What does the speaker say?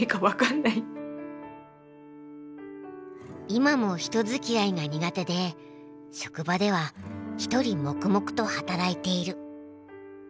今も人づきあいが苦手で職場では一人黙々と働いている。